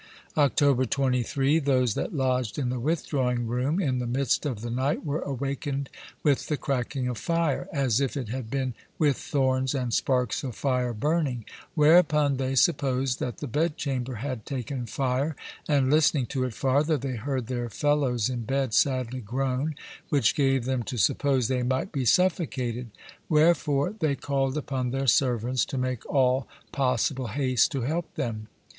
October 23. Those that lodged in the withdrawing room, in the midst of the night were awakened with the cracking of fire, as if it had been with thorns and sparks of fire burning, whereupon they supposed that the bed chamber had taken fire, and listning to it farther, they heard their fellows in bed sadly groan, which gave them to suppose they might be suffocated; wherefore they called upon their servants to make all possible hast to help them.